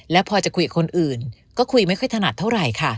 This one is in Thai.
แล้วพอจะคุยกับคนอื่นก็คุยไม่ค่อยถนัดเท่าไหร่ค่ะ